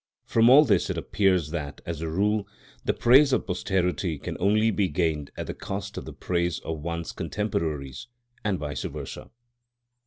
From all this it appears that, as a rule, the praise of posterity can only be gained at the cost of the praise of one's contemporaries, and vice versa.